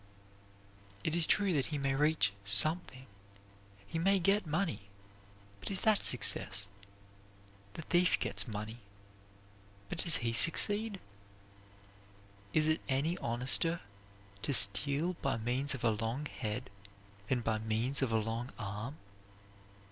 It is true that he may reach something. He may get money, but is that success? The thief gets money, but does he succeed? Is it any honester to steal by means of a long head than by means of a long arm?